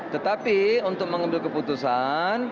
tetapi untuk mengambil keputusan